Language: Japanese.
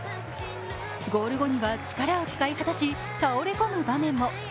ゴール後には力を使い果たし、倒れ込む場面も。